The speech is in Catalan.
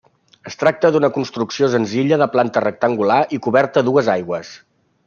Es tracta d'una construcció senzilla de planta rectangular i coberta a dues aigües.